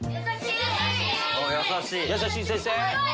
優しい先生。